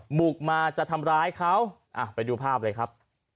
บุกมาจะทำร้ายเขาไปดูภาพเลยครับ